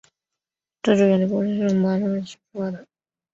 这支远征队是从瓦尔帕莱索出发的。